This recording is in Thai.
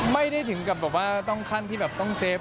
ไม่ได้ถึงกับแบบว่าต้องขั้นที่แบบต้องเซฟ